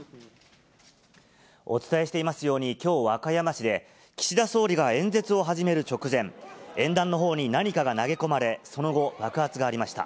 お伝えしていますように、きょう、和歌山市で、岸田総理が演説を始める直前、演壇のほうに何かが投げ込まれ、その後、爆発がありました。